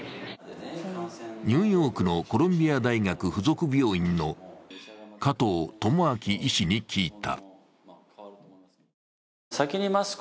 ニューヨークのコロンビア大学附属病院の加藤友朗医師に聞いた。